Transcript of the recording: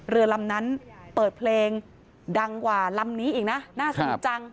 เรือลำนั้นเปิดเพลงดังกว่าลำนี้อีกนะน่าสนิทจัง